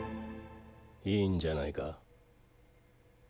いいんじゃないか？